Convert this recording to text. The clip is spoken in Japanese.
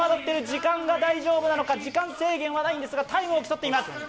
時間が大丈夫なのか、時間制限はないんですがタイムを競っています。